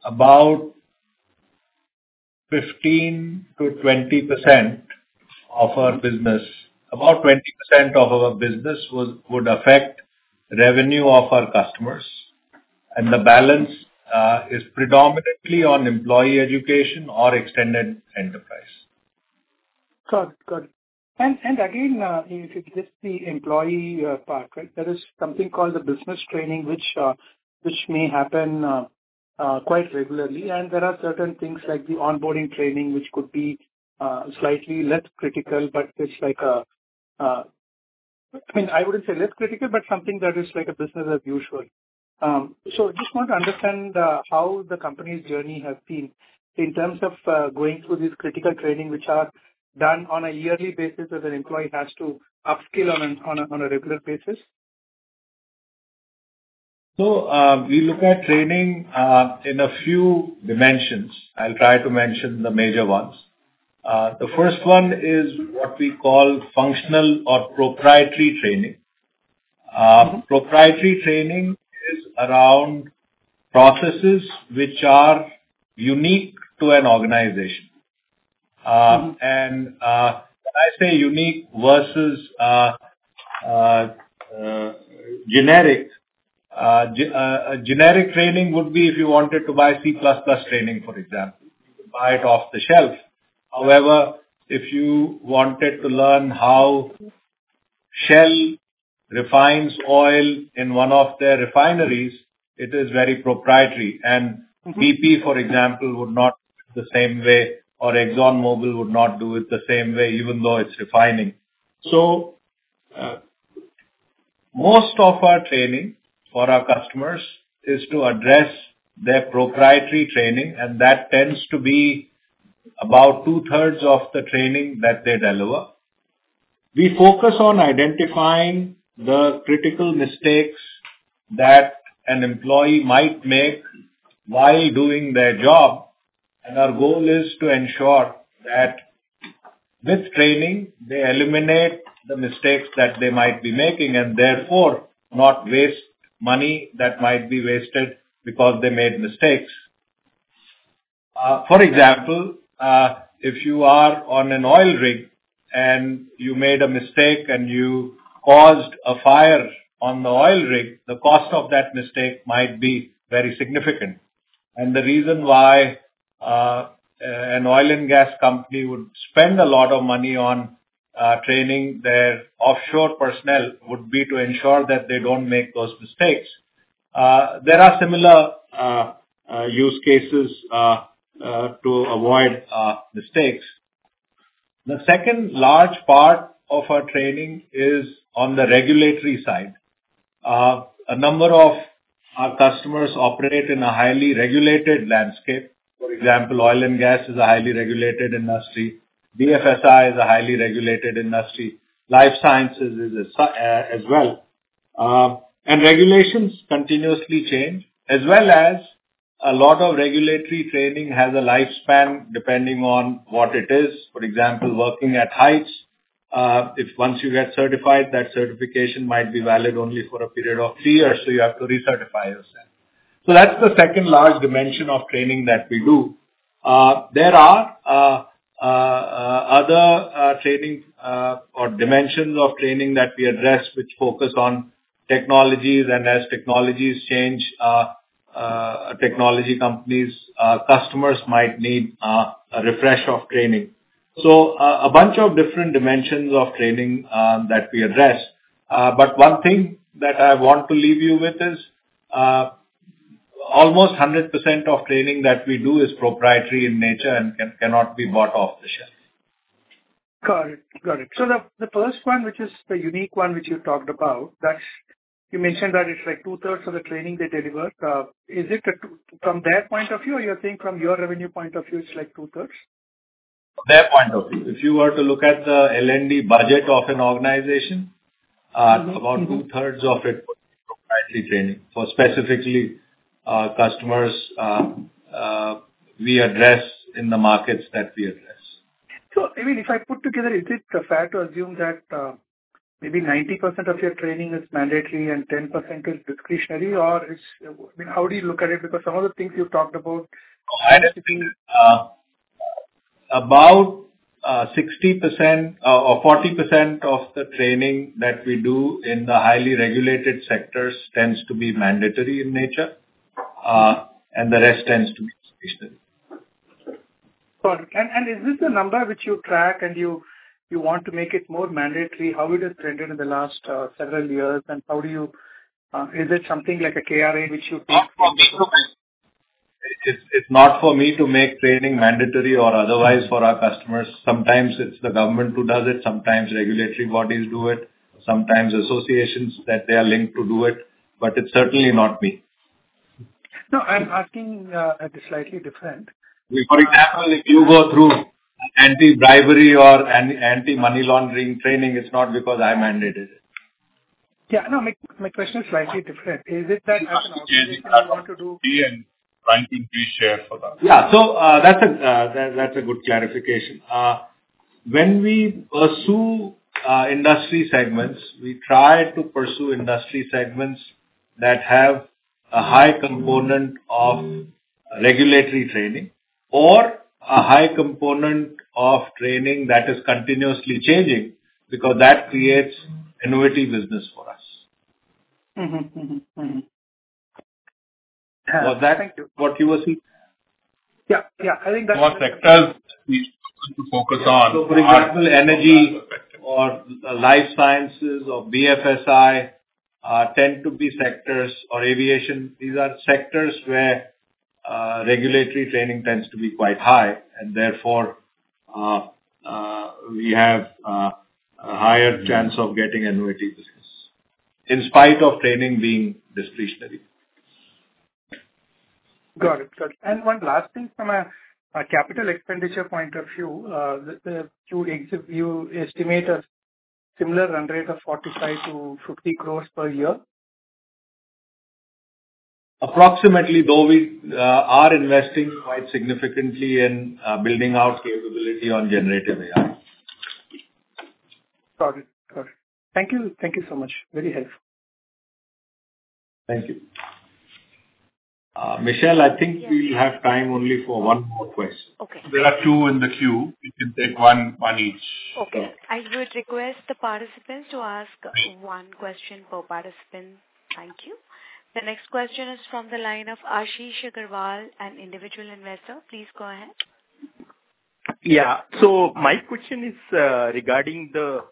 about 15%-20% of our business, about 20% of our business would affect revenue of our customers, and the balance is predominantly on employee education or extended enterprise. Got it. Got it. And again, if it's just the employee part, right, there is something called the business training, which may happen quite regularly. And there are certain things like the onboarding training, which could be slightly less critical, but it's like a, I mean, I wouldn't say less critical, but something that is like a business as usual. So just want to understand how the company's journey has been in terms of going through this critical training, which are done on a yearly basis, as an employee has to upskill on a regular basis. So, we look at training in a few dimensions. I'll try to mention the major ones. The first one is what we call functional or proprietary training. Proprietary training is around processes which are unique to an organization. A generic training would be if you wanted to buy C++ training, for example, you could buy it off the shelf. However, if you wanted to learn how Shell refines oil in one of their refineries, it is very proprietary. BP, for example, would not the same way, or ExxonMobil would not do it the same way, even though it's refining. So, most of our training for our customers is to address their proprietary training, and that tends to be about two-thirds of the training that they deliver. We focus on identifying the critical mistakes that an employee might make while doing their job, and our goal is to ensure that with training, they eliminate the mistakes that they might be making, and therefore not waste money that might be wasted because they made mistakes. For example, if you are on an oil rig and you made a mistake, and you caused a fire on the oil rig, the cost of that mistake might be very significant. The reason why an oil and gas company would spend a lot of money on training their offshore personnel would be to ensure that they don't make those mistakes. There are similar use cases to avoid mistakes. The second large part of our training is on the regulatory side. A number of our customers operate in a highly regulated landscape. For example, oil and gas is a highly regulated industry, BFSI is a highly regulated industry, life sciences is as well. Regulations continuously change, as well as a lot of regulatory training has a lifespan, depending on what it is. For example, working at heights, if once you get certified, that certification might be valid only for a period of three years, so you have to recertify yourself. So that's the second large dimension of training that we do. There are other training or dimensions of training that we address, which focus on technologies. And as technologies change, technology companies', customers might need a refresh of training. So, a bunch of different dimensions of training that we address. But one thing that I want to leave you with is, almost 100% of training that we do is proprietary in nature and cannot be bought off the shelf. Got it. Got it. So the first one, which is the unique one, which you talked about, that you mentioned, that it's like two-thirds of the training they deliver. Is it from their point of view, or you're saying from your revenue point of view, it's like 2/3? From their point of view. If you were to look at the L&D budget of an organization, about 2/3 of it was proprietary training for specifically customers we address in the markets that we address. So, I mean, if I put together, is it fair to assume that maybe 90% of your training is mandatory and 10% is discretionary? Or it's... I mean, how do you look at it? Because some of the things you've talked about- I think about 60% or 40% of the training that we do in the highly regulated sectors tends to be mandatory in nature, and the rest tends to be discretionary. Got it. And is this the number which you track and you want to make it more mandatory? How it has trended in the last several years, and how do you... Is it something like a KRA which you take from the group? It's not for me to make training mandatory or otherwise for our customers. Sometimes it's the government who does it, sometimes regulatory bodies do it, sometimes associations that they are linked to do it, but it's certainly not me. No, I'm asking, at a slightly different. For example, if you go through anti-bribery or anti-money laundering training, it's not because I mandate it. Yeah, no, my, my question is slightly different. Is it that as an organization you want to do. And trying to increase share for that? Yeah. So, that's a good clarification. When we pursue industry segments, we try to pursue industry segments that have a high component of regulatory training or a high component of training that is continuously changing, because that creates annuity business for us. Thank you. What you were seeking? Yeah, yeah. I think that's- What sectors we focus on. So for example, energy or life sciences or BFSI tend to be sectors or aviation. These are sectors where regulatory training tends to be quite high, and therefore we have a higher chance of getting annuity business, in spite of training being discretionary. Got it. Got it. And one last thing from a capital expenditure point of view, do you estimate a similar run rate of 45 crores- 50 crores per year? Approximately, though we are investing quite significantly in building out capability on generative AI. Got it. Got it. Thank you. Thank you so much. Very helpful. Thank you. Michelle, I think we will have time only for one more question. Okay. There are two in the queue. You can take one, one each. Okay. I would request the participants to ask one question per participant. Thank you. The next question is from the line of Ashish Aggarwal, an individual investor. Please go ahead. Yeah. So my question is, regarding the...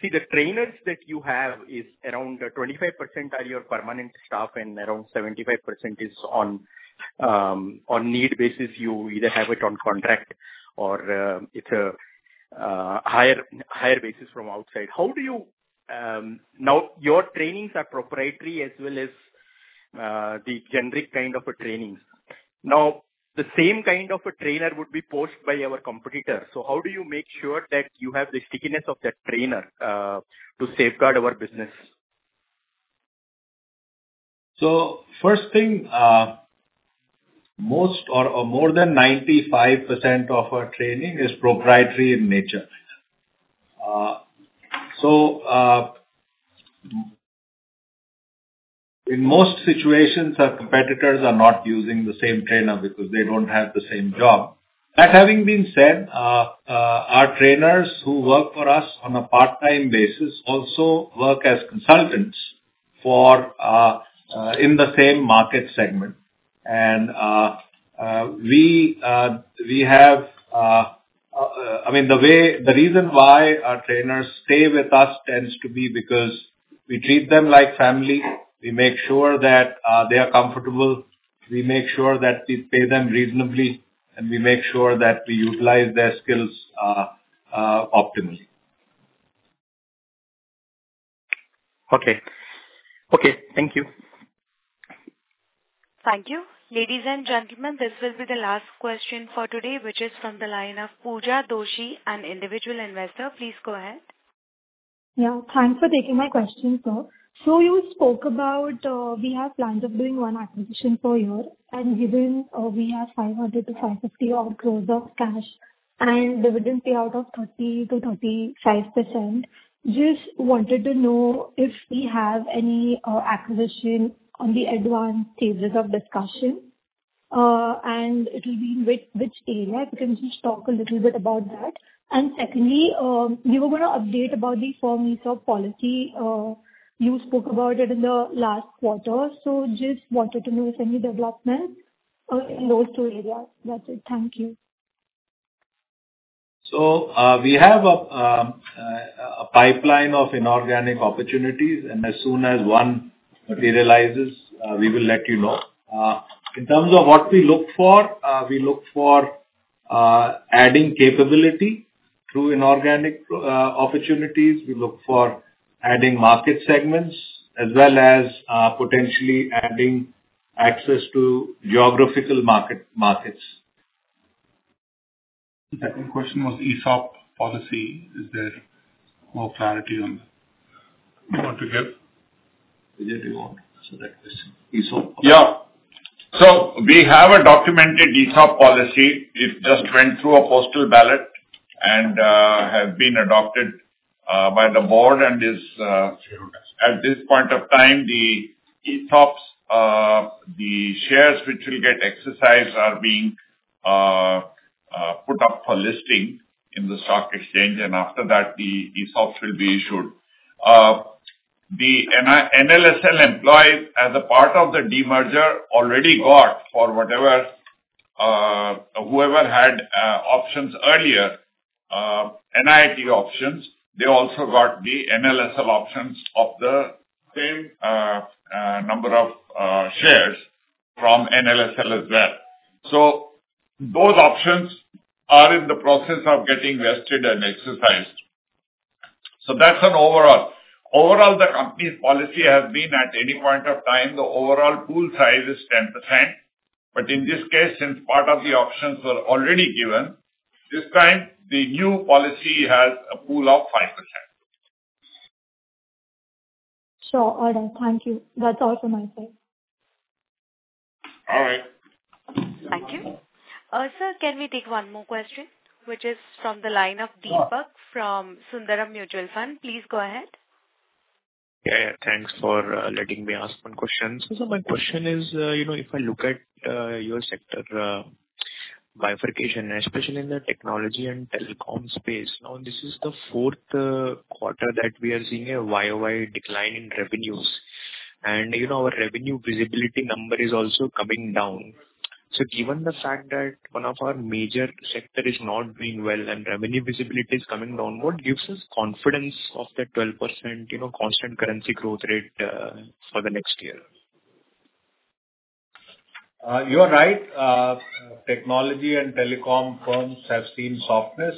See, the trainers that you have is around 25% are your permanent staff and around 75% is on need basis. You either have it on contract or it's a hire basis from outside. How do you... Now, your trainings are proprietary as well as the generic kind of a trainings. Now, the same kind of a trainer would be poached by our competitor, so how do you make sure that you have the stickiness of that trainer to safeguard our business? So first thing, more than 95% of our training is proprietary in nature. So in most situations, our competitors are not using the same trainer because they don't have the same job. That having been said, our trainers who work for us on a part-time basis also work as consultants in the same market segment. I mean, the reason why our trainers stay with us tends to be because we treat them like family. We make sure that they are comfortable, we make sure that we pay them reasonably, and we make sure that we utilize their skills optimally. Okay. Okay. Thank you. Thank you. Ladies and gentlemen, this will be the last question for today, which is from the line of Pooja Doshi, an individual investor. Please go ahead. Yeah, thanks for taking my question, sir. So you spoke about, we have plans of doing one acquisition per year, and given, we have 500- 550 odd crores of cash and dividend payout of 30%-35%, just wanted to know if we have any, acquisition on the advanced stages of discussion, and it will be in which, which area? If you can just talk a little bit about that. And secondly, you were going to update about the four months of policy. You spoke about it in the last quarter, so just wanted to know if any development, in those two areas. That's it. Thank you. So, we have a pipeline of inorganic opportunities, and as soon as one materializes, we will let you know. In terms of what we look for, we look for adding capability through inorganic opportunities. We look for adding market segments, as well as potentially adding access to geographical market markets. The second question was ESOP policy. Is there more clarity on that? You want to get - Did you want to select this ESOP? Yeah. So we have a documented ESOP policy. It just went through a postal ballot and has been adopted by the board and is, at this point of time, the ESOPs, the shares which will get exercised are being put up for listing in the stock exchange, and after that, the ESOPs will be issued. The NLSL employees, as a part of the demerger, already got for whatever, whoever had options earlier, NIIT options, they also got the NLSL options of the same number of shares from NLSL as well. So those options are in the process of getting vested and exercised. So that's an overall. Overall, the company's policy has been, at any point of time, the overall pool size is 10%, but in this case, since part of the options were already given. This time, the new policy has a pool of 5%. Sure. All right. Thank you. That's all from my side. All right. Thank you. Sir, can we take one more question, which is from the line of Deepak from Sundaram Mutual Fund? Please go ahead. Yeah, yeah, thanks for letting me ask one question. So my question is, you know, if I look at your sector bifurcation, especially in the technology and telecom space, now, this is the fourth quarter that we are seeing a year-over-year decline in revenues. And, you know, our revenue visibility number is also coming down. So given the fact that one of our major sector is not doing well and revenue visibility is coming down, what gives us confidence of the 12% constant currency growth rate, you know, for the next year? You're right. Technology and telecom firms have seen softness,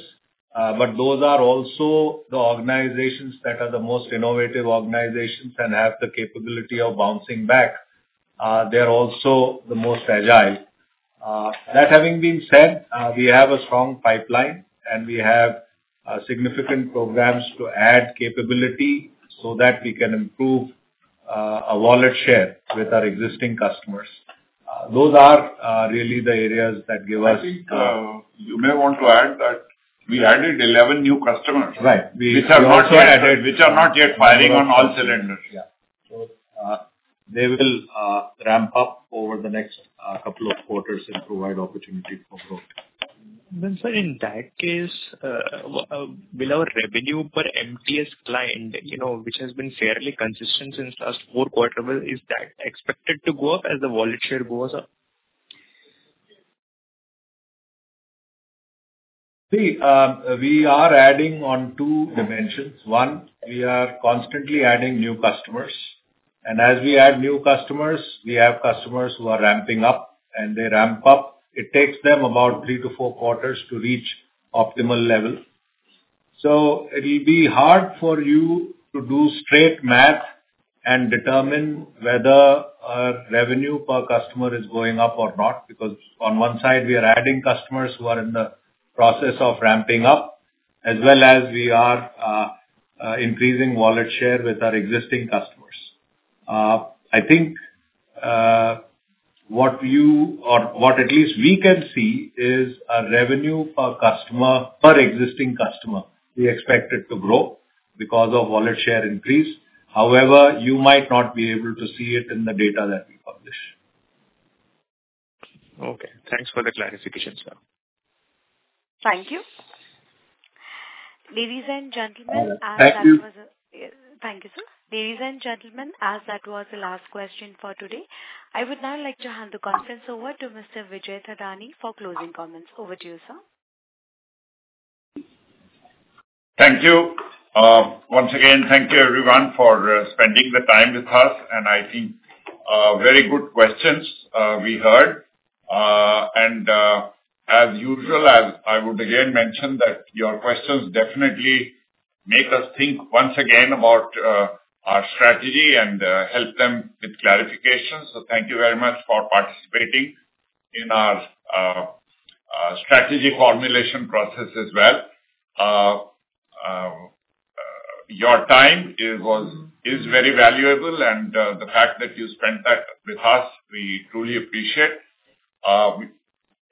but those are also the organizations that are the most innovative organizations and have the capability of bouncing back. They are also the most agile. That having been said, we have a strong pipeline, and we have significant programs to add capability so that we can improve our wallet share with our existing customers. Those are really the areas that give us- I think, you may want to add that we added 11 new customers. Right. Which are not yet, which are not yet firing on all cylinders. Yeah. So, they will ramp up over the next couple of quarters and provide opportunity for growth. Then, sir, in that case, will our revenue per MTS client, you know, which has been fairly consistent since last four quarters, is that expected to go up as the wallet share goes up? See, we are adding on two dimensions. One, we are constantly adding new customers, and as we add new customers, we have customers who are ramping up, and they ramp up. It takes them about 3-4 quarters to reach optimal level. So it'll be hard for you to do straight math and determine whether our revenue per customer is going up or not, because on one side, we are adding customers who are in the process of ramping up, as well as we are, increasing wallet share with our existing customers. I think, what you or what at least we can see is a revenue per customer, per existing customer. We expect it to grow because of wallet share increase. However, you might not be able to see it in the data that we publish. Okay, thanks for the clarification, sir. Thank you. Ladies and gentlemen, as that was Thank you. Thank you, sir. Ladies and gentlemen, as that was the last question for today, I would now like to hand the conference over to Mr. Vijay Thadani for closing comments. Over to you, sir. Thank you. Once again, thank you everyone for spending the time with us, and I think very good questions we heard. As usual, as I would again mention, that your questions definitely make us think once again about our strategy and help them with clarification. So thank you very much for participating in our strategy formulation process as well. Your time is, was, is very valuable, and the fact that you spent that with us, we truly appreciate.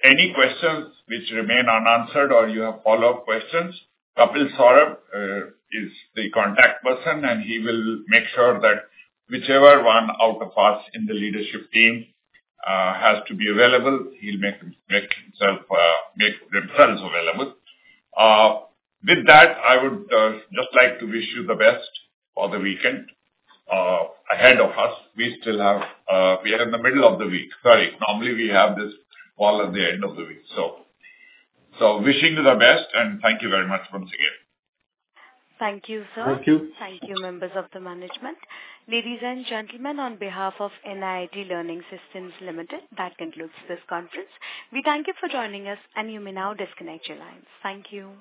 Any questions which remain unanswered or you have follow-up questions, Kapil Saurabh is the contact person, and he will make sure that whichever one of us in the leadership team has to be available, he'll make him, make himself, make themselves available. With that, I would just like to wish you the best for the weekend ahead of us. We still have, we are in the middle of the week. Sorry. Normally, we have this call at the end of the week, so, so wishing you the best, and thank you very much once again. Thank you, sir. Thank you. Thank you, members of the management. Ladies and gentlemen, on behalf of NIIT Learning Systems Limited, that concludes this conference. We thank you for joining us, and you may now disconnect your lines. Thank you.